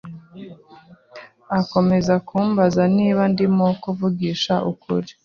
Akomeza kumbaza niba ndimo kuvugisha ukuri